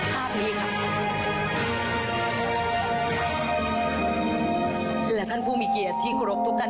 ของท่านได้เสด็จเข้ามาอยู่ในความทรงจำของคน๖๗๐ล้านคนค่ะทุกท่าน